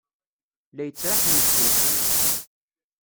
La yettraḥ nnefs-nsent.